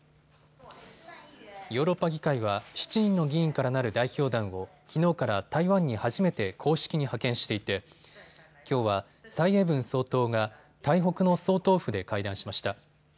ヨーロッパ議会は７人の議員からなる代表団をきのうから台湾に初めて公式に派遣していてきょうは蔡英文総統が台北の総統府で会談しました。